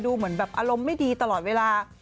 เหมือนแบบอารมณ์ไม่ดีตลอดเวลา